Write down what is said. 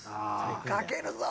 かけるぞ！